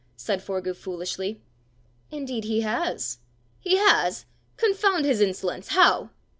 said Forgue foolishly. "Indeed he has!" "He has! Confound his insolence! How?"